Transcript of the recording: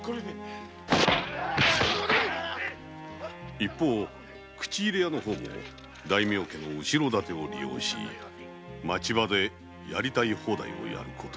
一方口入れ屋の方も大名の後ろ盾を利用して町場でやりたいほうだいやるという事に。